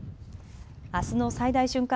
あすの最大瞬間